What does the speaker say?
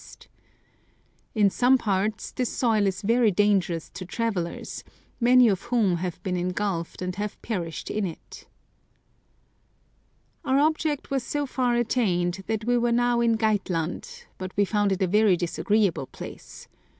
224 A Mysterious Vale L In some parts this soil is very dangerous to travellers, many of whom have been engulphed and have perished in it, " Our object was so far attained, that we were now on Geitland, but we found it a very disagreeable place.